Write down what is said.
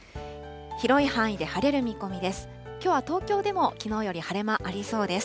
広い範囲で晴れる見込みです。